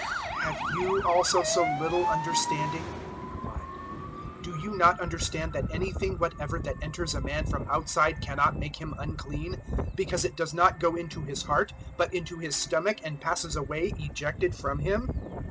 007:018 "Have *you* also so little understanding?" He replied; "do you not understand that anything whatever that enters a man from outside cannot make him unclean, 007:019 because it does not go into his heart, but into his stomach, and passes away ejected from him?"